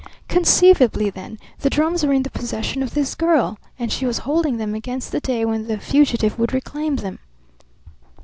Conceivably, then, the drums were in the possession of this girl; and she was holding them against the day when the fugitive would reclaim them.